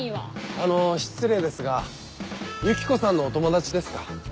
あの失礼ですがユキコさんのお友達ですか？